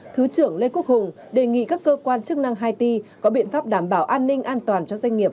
thứ trưởng lê quốc hùng đề nghị các cơ quan chức năng haiti có biện pháp đảm bảo an ninh an toàn cho doanh nghiệp